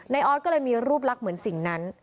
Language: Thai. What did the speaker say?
ออสก็เลยมีรูปลักษณ์เหมือนสิ่งนั้น